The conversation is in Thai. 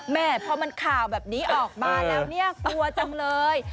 แม่พอมันข่าวแบบนี้ออกมาแล้วเนี่ยกลัวจังเลย